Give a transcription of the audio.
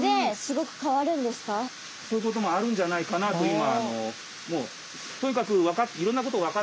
そういうこともあるんじゃないかなと今。